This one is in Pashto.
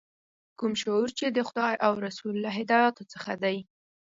کوم شعور چې د خدای او رسول له هدایاتو څخه دی.